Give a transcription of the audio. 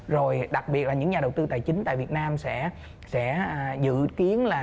rồi đặc biệt là những nhà đầu tư tài chính tại việt nam sẽ dự kiến là